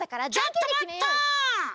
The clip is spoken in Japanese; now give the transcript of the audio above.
ちょっとまった！